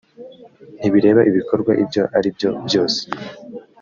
ntibireba ibikorwa ibyo ari byo byose